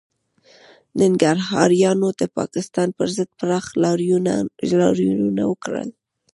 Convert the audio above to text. ننګرهاریانو د پاکستان پر ضد پراخ لاریونونه وکړل